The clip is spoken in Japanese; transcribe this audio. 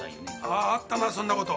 ああったなそんな事。